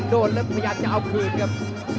โดนแล้วพยายามจะเอาคืนครับ